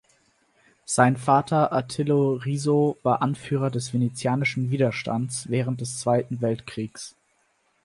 Sein Vater Attilio Rizzo war Anführer des venezianischen Widerstands während des Zweiten Weltkriegs.